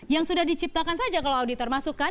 yang sudah diciptakan saja kalau auditor masukkan